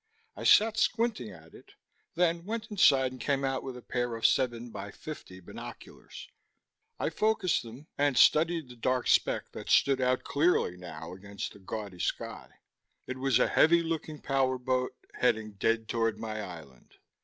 I sat squinting at it, then went inside and came out with a pair of 7x50 binoculars. I focused them and studied the dark speck that stood out clearly now against the gaudy sky. It was a heavy looking power boat, heading dead toward my island.